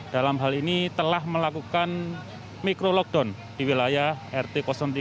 dalam hal ini telah melakukan mikro lockdown di wilayah rt tiga ratus tiga